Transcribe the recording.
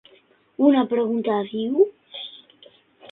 Una pregunta, diu?